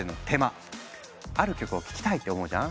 ある曲を聴きたいって思うじゃん？